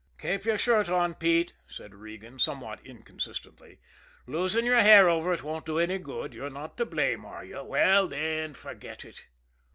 "Keep your shirt on, Pete," said Regan, somewhat inconsistently. "Losing your hair over it won't do any good. You're not to blame, are you? Well then, forget it!"